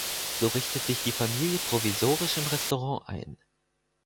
So richtet sich die Familie provisorisch im Restaurant ein.